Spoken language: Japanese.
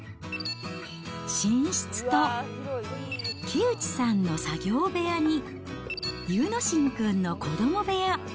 寝室と木内さんの作業部屋に、優之心くんの子ども部屋。